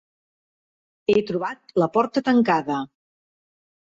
He trobat la porta tancada.